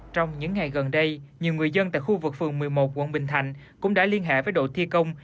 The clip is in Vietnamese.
trong những ngày gần đây nhiều người dân tại khu vực phường một mươi một quận bình thành cũng đã liên hệ với đội thi công